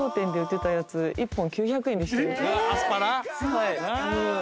はい。